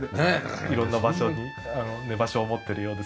色んな場所に寝場所を持ってるようです